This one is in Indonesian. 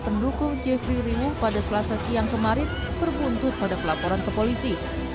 pendukung jeffrey rino pada selasa siang kemarin berbuntut pada pelaporan ke polisi